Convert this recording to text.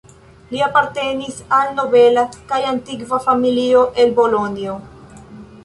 Li apartenis al nobela kaj antikva familio el Bolonjo.